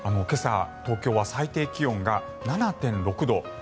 今朝、東京は最低気温が７．６度。